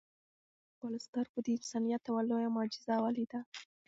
عسکر په خپلو سترګو د انسانیت یو لویه معجزه ولیده.